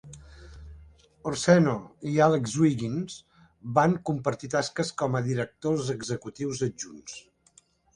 Orseno i Alex Wiggins van compartir tasques com a directors executius adjunts.